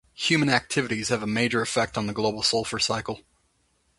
Human activities have a major effect on the global sulfur cycle.